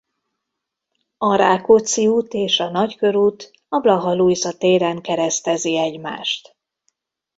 A Rákóczi út és a Nagykörút a Blaha Lujza téren keresztezi egymást.